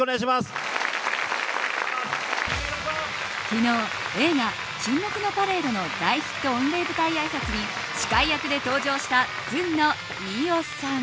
昨日映画「沈黙のパレード」の大ヒット御礼舞台あいさつに司会役で登場したずんの飯尾さん。